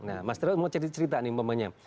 nah mas daryl mau cerita cerita nih namanya